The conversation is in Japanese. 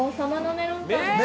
メロンパンね。